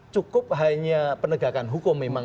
cukup hanya penegakan hukum memang